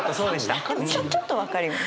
私はちょっと分かります。